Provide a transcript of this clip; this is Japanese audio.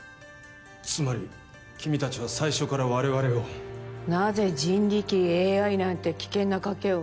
つまり君達は最初から我々をなぜ人力ＡＩなんて危険な賭けを？